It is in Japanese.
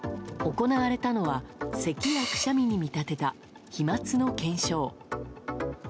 行われたのはせきやくしゃみに見立てた飛沫の検証。